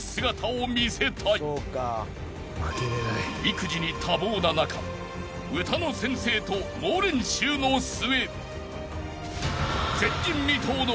［育児に多忙な中歌の先生と猛練習の末］